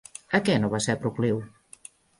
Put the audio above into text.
A què no va ser procliu?